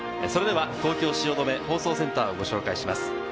それでは東京・汐留放送センターをご紹介します。